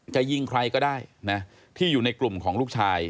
จะยิงใครก็ได้นะที่อยู่ในกลุ่มของลูกชาย